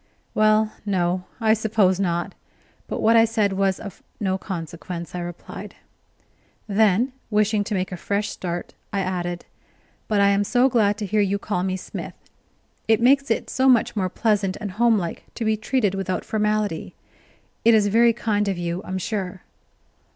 "Well, no, I suppose not, but what I said was of no consequence," I replied; then, wishing to make a fresh start, I added: "But I am so glad to hear you call me Smith. It makes it so much more pleasant and homelike to be treated without formality. It is very kind of you, I'm sure."